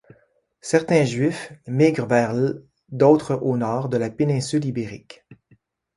Certains juifs migrent vers l', d'autres au nord de la péninsule ibérique.